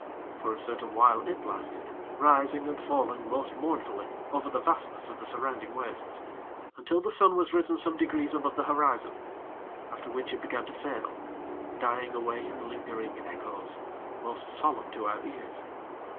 For a certain while it lasted, rising and falling most mournfully over the vastness of the surrounding wastes, until the sun was risen some degrees above the horizon; after which it began to fail, dying away in lingering echoes, most solemn to our ears.